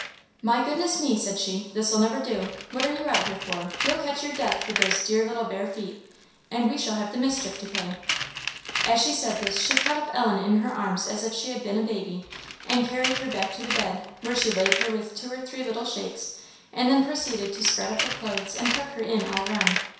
"My goodness me!" said she, "this'll never do. What are you out here for? you'll catch your death with those dear little bare feet, and we shall have the mischief to pay!" As she said this, she caught up Ellen in her arms as if she had been a baby, and carried her back to the bed, where she laid her with two or three little shakes, and then proceeded to spread up the clothes and tuck her in all round.